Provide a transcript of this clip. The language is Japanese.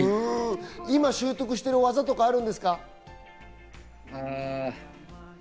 今習得している技はあるんですか？